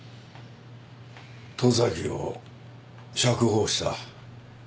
十崎を釈放した。